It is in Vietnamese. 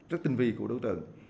rất tinh vi của đối tượng